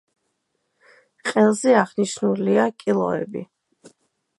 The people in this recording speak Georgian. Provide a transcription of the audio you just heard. ყელზე აღნიშნულია კილოები.